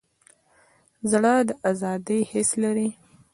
زړه د ازادۍ حس لري.